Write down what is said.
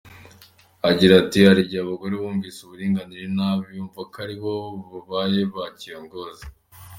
agira ati “Hari abagore bumvise uburinganire nabi, bumva ko aribo babaye ba kiyongozi.